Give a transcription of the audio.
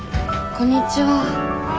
こんにちは。